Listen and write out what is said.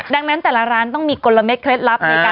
ดังนั้นแต่ละร้านต้องมีกลโลเมคเคล็ดลับ